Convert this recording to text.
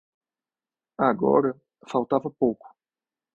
Agora, faltava pouco.